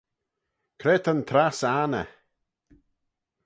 Cre ta'n trass anney?